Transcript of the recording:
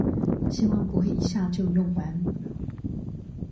希望不會一下就用完